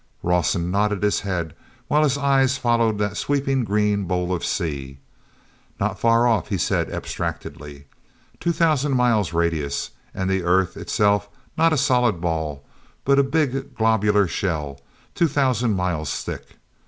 Rawson nodded his head, while his eyes followed that sweeping green bowl of the sea. "Not far off," he said abstractedly. "Two thousand miles radius—and the earth itself not a solid ball, but a big globular shell two thousand miles thick.